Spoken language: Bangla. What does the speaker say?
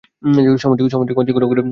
সামুদ্রিক মাছের গুনাগুণের শেষ নেই।